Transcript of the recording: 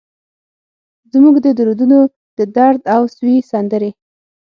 زموږ د دور دونو ، ددرد او سوي سندرې